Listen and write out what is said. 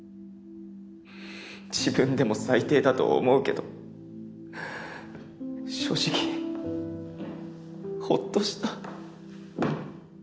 自分でも最低だと思うけど正直ホッとした。